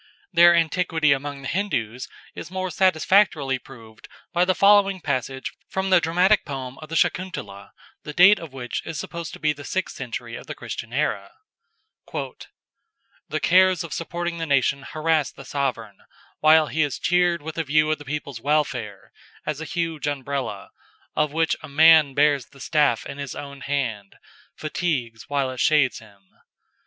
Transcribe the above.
Their antiquity among the Hindoos is more satisfactorily proved by the following passage from the dramatic poem of S'akuntâla, the date of which is supposed to be the 6th century of the Christian era: ("The cares of supporting the nation harass the sovereign, while he is cheered with a view of the people's welfare, as a huge Umbrella, of which a man bears the staff in his own hand, fatigues while it shades him.